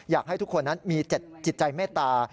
อยากให้ทุกคนนั้นมี๗จิตใจเมตตา